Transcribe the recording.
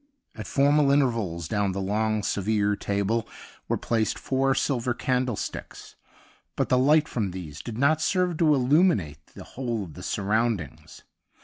At formal intervals down the long severe table were placed four silver candlesticks, but the light from these did not serve to illuminate the whole of the surroundings.